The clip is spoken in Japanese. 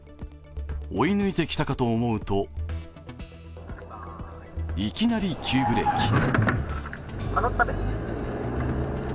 追い抜いてきたかと思うといきなり急ブレーキ。